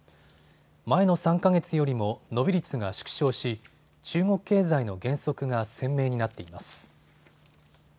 前の３か月よりも伸び率が縮小し中国経済の減速が鮮明になっています。